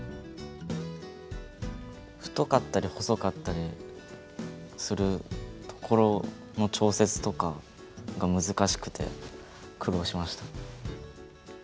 太かったり細かったりするところの調節とかが難しくて苦労しました。